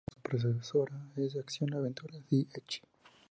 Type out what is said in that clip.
La serie, como su predecesora, es de acción, aventuras y ecchi.